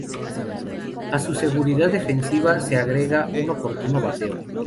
A su seguridad defensiva se agrega un oportuno bateo.